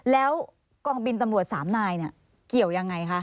แล้วกองบินตำรวจ๓นายเกี่ยวยังไงคะ